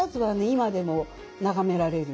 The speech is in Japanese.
今でも眺められる。